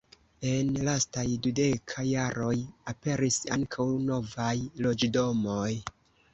En lastaj dudeka jaroj aperis ankaŭ novaj loĝdomoj.